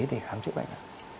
để khám trị bệnh